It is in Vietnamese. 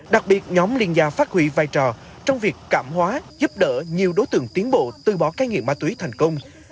đặc biệt nhóm liên gia phát huy vai trò trong việc cảm hóa giúp đỡ nhiều đối tượng tiến bộ từ bỏ cái nghiện má tuý thành công